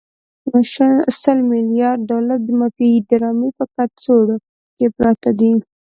سل ملیارده ډالر د مافیایي ډرامې په کڅوړو کې پراته دي.